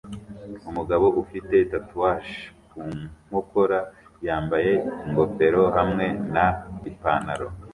Umugabo ufite tatouage ku nkokora yambaye ingofero hamwe na ipanaro